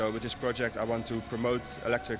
dengan proyek ini saya ingin mempromosikan mobil listrik